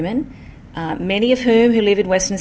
banyak yang tinggal di sydney barat